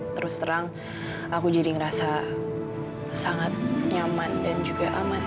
terus terang aku jadi ngerasa sangat nyaman dan juga aman